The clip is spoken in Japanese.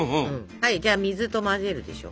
はいじゃあ水と混ぜるでしょ。